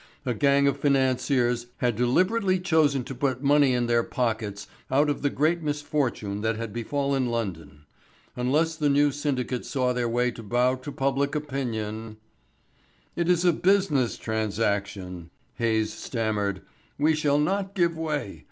A gang of financiers had deliberately chosen to put money in their pockets out of the great misfortune that had befallen London. Unless the new syndicate saw their way to bow to public opinion "It is a business transaction," Hayes stammered. "We shall not give way.